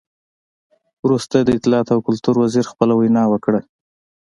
وروسته د اطلاعاتو او کلتور وزیر خپله وینا وکړه.